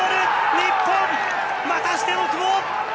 日本、またしても久保！